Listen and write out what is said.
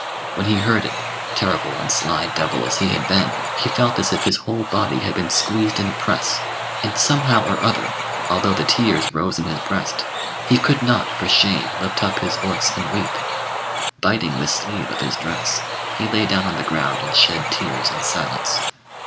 When he heard it, terrible and sly devil as he had been, he felt as if his whole body had been squeezed in a press; and somehow or other, although the tears rose in his breast, he could not for shame lift up his voice and weep. Biting the sleeve of his dress, he lay down on the ground and shed tears in silence.